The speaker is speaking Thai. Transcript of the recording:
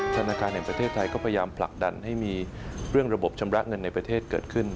ธนาคารแห่งประเทศไทยก็พยายามผลักดันให้มีเรื่องระบบชำระเงินในประเทศเกิดขึ้น